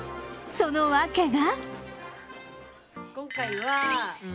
その訳が？